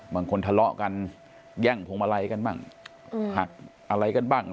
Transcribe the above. บางคนทะเลาะกันแย่งพวงมาไร้กันบ้าง